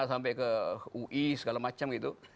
sampai ke ui segala macam gitu